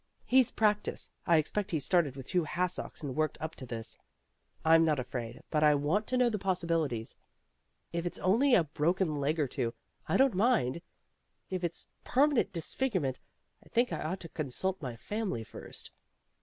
"He's practised. I expect he started with two hassocks and worked up to this. I'm not afraid, but I want to know the possibilities. If it's only a broken leg or two, I don't mind. If it's permanent disfigurement I think I ought to consult my family first."